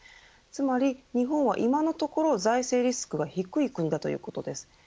つまり日本は今のところ財政リスクが低い国だということです。